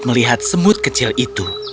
melihat semut kecil itu